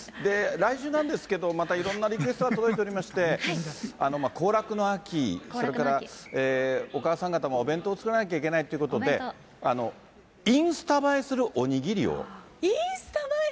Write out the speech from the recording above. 来週なんですけど、またいろんなリクエストが届いておりまして、行楽の秋、それから、お母さん方も、お弁当作んなきゃいけないということで、インスタ映えするお握りを。